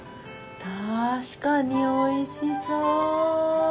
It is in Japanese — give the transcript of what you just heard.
たしかにおいしそう！